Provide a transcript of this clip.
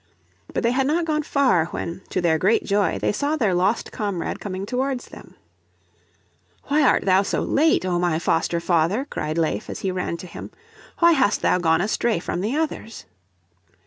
But they had not gone far when, to their great joy, they saw their lost comrade coming towards them. "Why art thou so late, oh my foster father?" cried Leif, as he ran to him. "Why hast thou gone astray from the others?"